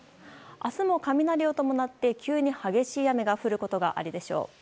明日も雷を伴って急に激しい雨が降ることがあるでしょう。